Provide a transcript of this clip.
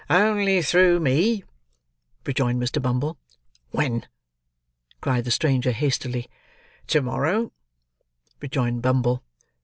"Only through me," rejoined Mr. Bumble. "When?" cried the stranger, hastily. "To morrow," rejoined Bumble.